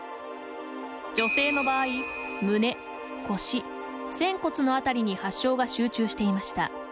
女性の場合、胸、腰仙骨のあたりに発症が集中していました。